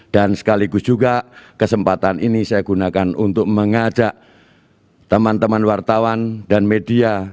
dan sekaligus juga kesempatan ini saya gunakan untuk mengajak teman teman wartawan dan media